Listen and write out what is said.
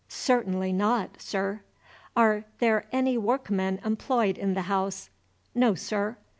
"Certainly not, sir." "Are there any workmen employed in the house?" "No, sir."